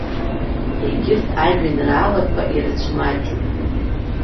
Егьырҭ ажәеинраалақәа ирыцәмаҷуп.